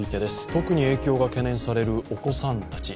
特に影響が懸念されるお子さんたち。